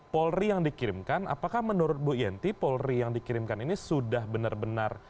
polri yang dikirimkan apakah menurut bu yenti polri yang dikirimkan ini sudah benar benar